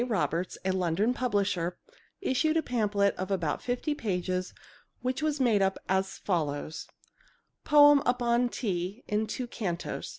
Roberts, a London publisher, issued a pamphlet of about fifty pages which was made up as follows: Poem upon Tea in Two Cantos